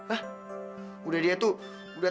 hah udah dia tuh